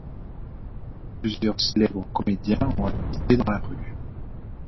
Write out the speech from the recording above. Plusieurs célèbres comédiens ont habité dans la rue.